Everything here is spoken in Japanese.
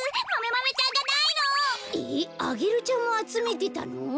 えっアゲルちゃんもあつめてたの？